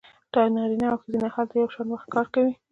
نارینه او ښځینه هلته یو شان وخت کار کوي